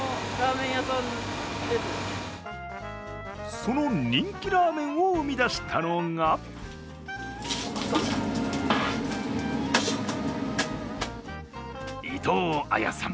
その人気ラーメンを生み出したのが伊藤綾さん